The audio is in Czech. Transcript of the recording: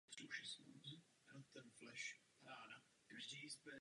Podporovala činnost zdejšího Vlastivědného muzea a galerie.